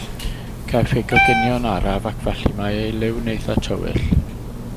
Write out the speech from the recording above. Caiff ei goginio'n araf ac felly mae ei liw'n eitha tywyll.